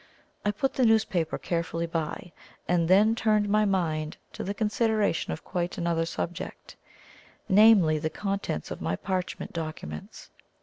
I put the newspaper carefully by, and then turned my mind to the consideration of quite another subject namely, the contents of my parchment documents.